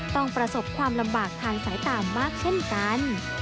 ประสบความลำบากทางสายตามากเช่นกัน